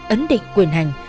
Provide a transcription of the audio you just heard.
ấn định quyền hành